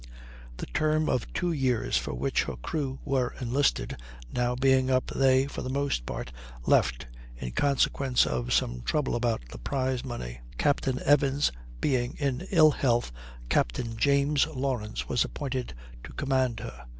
The term of two years for which her crew were enlisted now being up, they, for the most part, left, in consequence of some trouble about the prize money. Captain Evans being in ill health, Captain James Lawrence was appointed to command her.